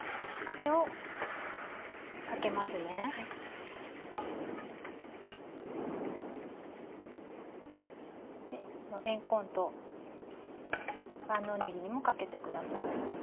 れんこんと万能ねぎにもかけてください。